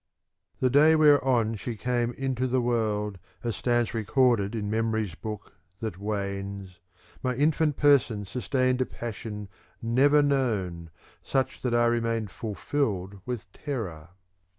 The day whereon she came into the world, as stands recorded in memory's book that wanes, My infant person sustained a passion never known such that I remained fulfilled with terror.